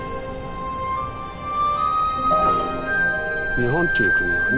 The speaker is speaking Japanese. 日本っていう国はね